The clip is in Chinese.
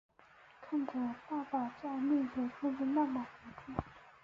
看着爸爸在面前哭的那么无助